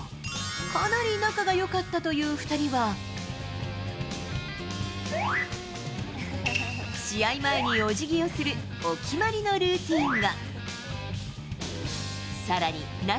かなり仲がよかったという２人は、試合前にお辞儀をするお決まりのルーティンが。